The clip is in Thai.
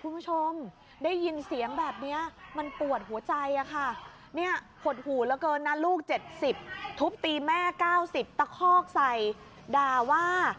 คุณผู้ชมได้ยินเสียงแบบนี้มันปวดหัวใจอะค่ะเนี่ยหดหูเหลือเกินนะลูก๗๐ทุบตีแม่๙๐ตะคอกใส่ด่าว่า